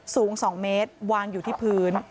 สูง๒เมตรวางอยู่ที่พื้น